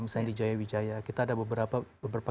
misalnya di jaya wijaya kita ada beberapa